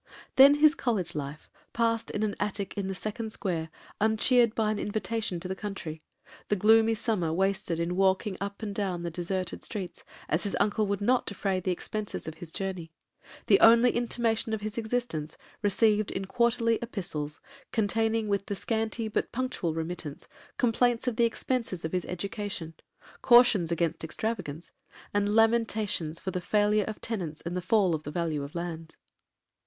Then his college life, passed in an attic in the second square, uncheered by an invitation to the country; the gloomy summer wasted in walking up and down the deserted streets, as his uncle would not defray the expences of his journey;—the only intimation of his existence, received in quarterly epistles, containing, with the scanty but punctual remittance, complaints of the expences of his education, cautions against extravagance, and lamentations for the failure of tenants and the fall of the value of lands.